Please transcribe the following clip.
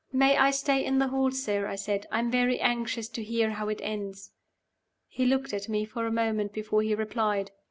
"May I stay in the hall, sir?" I said. "I am very anxious to hear how it ends." He looked at me for a moment before he replied.